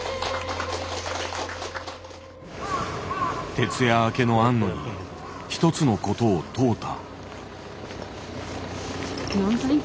徹夜明けの庵野にひとつのことを問うた。